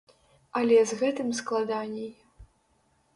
Але з гэтым складаней.